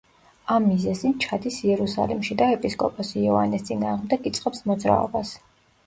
ამ მიზეზით ჩადის იერუსალიმში და ეპისკოპოს იოანეს წინააღმდეგ იწყებს მოძრაობას.